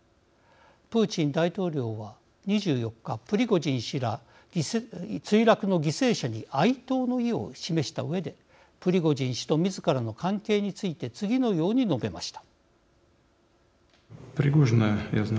プーチン大統領は、２４日プリゴジン氏ら墜落の犠牲者に哀悼の意を示したうえでプリゴジン氏とみずからの関係について次のように述べました。